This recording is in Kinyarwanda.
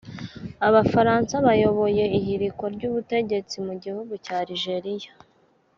Abafaransa bayoboye ihirikwa ry’ubutegetsi mu gihugu cya Algeria